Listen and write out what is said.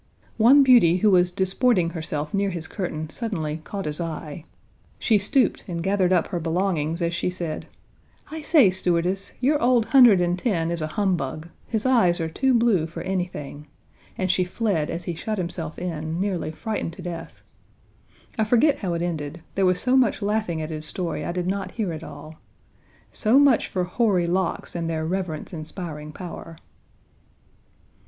One beauty who was disporting herself near his curtain suddenly caught his eye. She stooped and gathered up her belongings as she said: "I say, stewardess, your old hundred and ten is a humbug. His eyes are too blue for anything," and she fled as he shut himself in, nearly frightened to death. I forget how it ended. There was so much laughing at his story I did not hear it all. So much for hoary locks and their reverence inspiring power!